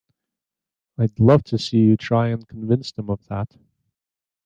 I'd love to see you try and convince them of that!